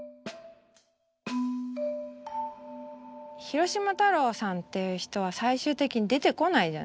広島太郎さんっていう人は最終的に出てこないじゃないですか。